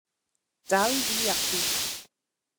Dal di ati.